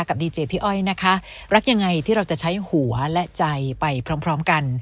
ดีเจพี่อ้อยนะคะรักยังไงที่เราจะใช้หัวและใจไปพร้อมพร้อมกัน